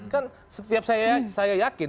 kan setiap saya yakin